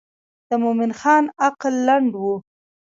د مومن خان عقل لنډ و.